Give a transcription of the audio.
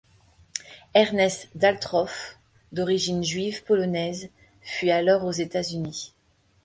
Ernest Daltroff, d'origine juive polonaise, fuit alors aux États-Unis.